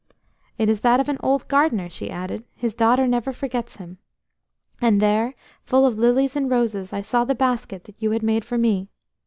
"'It is that of an old gardener,' she added. 'His daughter never forgets him.' And there, full of lilies and roses, I saw the basket that you had made for me.